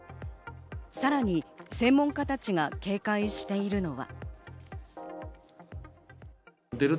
さらに専門家たちが警戒しているのは。